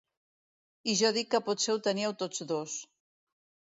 I jo dic que potser ho teniu tots dos!